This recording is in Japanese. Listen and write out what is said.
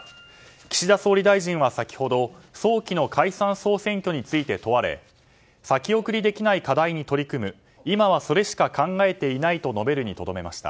岸田総理大臣は先ほど早期の解散・総選挙について問われ先送りできない課題に取り組む今はそれしか考えていないと述べるにとどめました。